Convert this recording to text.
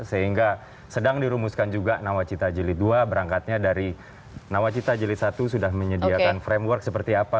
sehingga sedang dirumuskan juga nawacita jelit dua berangkatnya dari nawacita jelit satu sudah menyediakan framework seperti apa